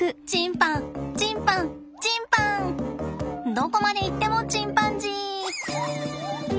どこまでいってもチンパンジー！